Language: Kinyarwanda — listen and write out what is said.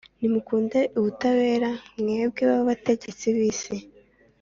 Nimukunde ubutabera, mwebwe bategetsi b’isi,